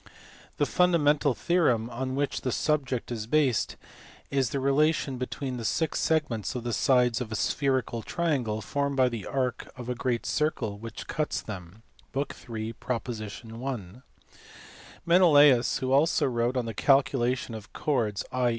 The fundamental theorem on which the sub ject is based is the relation between the six segments of the sides of a spherical triangle, formed by the arc of a great circle which cuts them (book in. prop. 1). Menelaus also wrote on the calculation of chords, i.